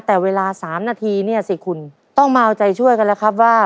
แต่เวลา๓นาทีเนี่ยสิคุณต้องมาเอาใจช่วยกันแล้วครับว่า